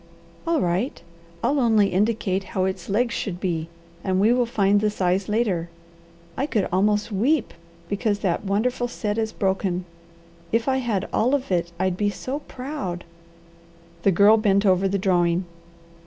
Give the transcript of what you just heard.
"All right! I'll only indicate how its legs should be and we will find the size later. I could almost weep because that wonderful set is broken. If I had all of it I'd be so proud!" The Girl bent over the drawing.